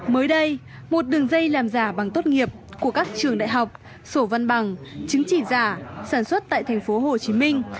mới đây một đường dây làm giả bằng tốt nghiệp của các trường đại học sổ văn bằng chứng chỉ giả sản xuất tại thành phố hồ chí minh